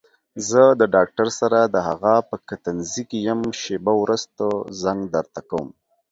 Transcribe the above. زه د ډاکټر سره دهغه په کتنځي کې يم شېبه وروسته زنګ درته کوم.